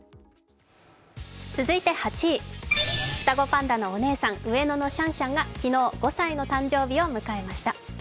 続いて８位、双子パンダのお姉さん、上野動物園のシャンシャンが昨日、５歳の誕生日を迎えました。